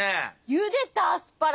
ゆでたアスパラ